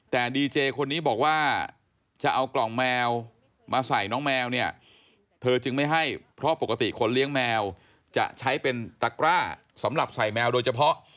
แต่ดีเจคนนี้บอกว่าจะเอากล่องแมวมาใส่น้องแมวเนี่ยเธอจึงไม่ให้เพราะปกติคนเลี้ยงแมวจะใช้เป็นตะกร้าสำหรับใส่แมวโดยเฉพาะ